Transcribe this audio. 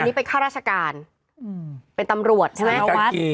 อันนี้เป็นข้าราชการเป็นตำรวจใช่ไหม